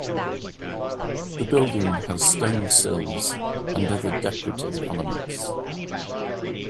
The building has stone sills and other decorative elements.